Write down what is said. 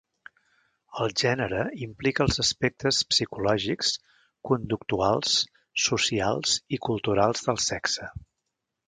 El gènere implica els aspectes psicològics, conductuals, socials i culturals del sexe.